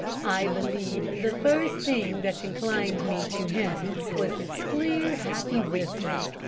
I believe the first thing that inclined me to him was his clear, happy whistle.